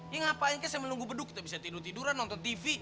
ya ngapain sih saya menunggu beduk kita bisa tidur tiduran nonton tv